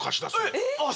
えっ！？